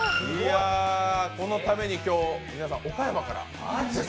このために今日、皆さん岡山から。